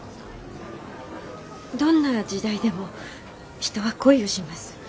どんな時代でも人は恋をします。